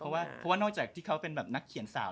เพราะว่านอกจากที่เขาเป็นแบบนักเขียนสาว